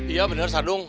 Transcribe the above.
iya bener sadung